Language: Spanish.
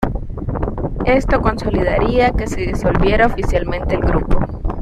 Esto consolidaría que se disolviera oficialmente el grupo.